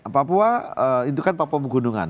papua itu kan papua pegunungan